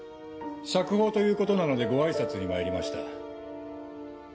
釈放ということなのでご挨拶に参りました。